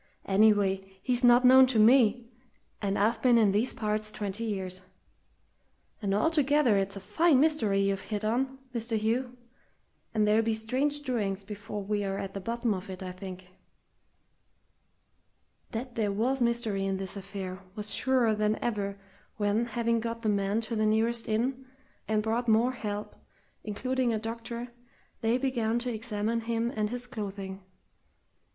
"Anyway, he's not known to me, and I've been in these parts twenty years. And altogether it's a fine mystery you've hit on, Mr. Hugh, and there'll be strange doings before we're at the bottom of it, I'm thinking." That there was mystery in this affair was surer than ever when, having got the man to the nearest inn, and brought more help, including a doctor, they began to examine him and his clothing.